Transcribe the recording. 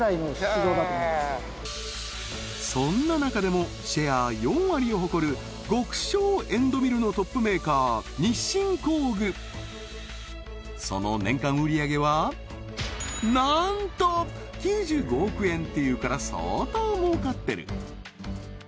そんな中でもシェア４割を誇る極小エンドミルのトップメーカー日進工具その年間売り上げはなんと９５億円っていうから相当儲かってる！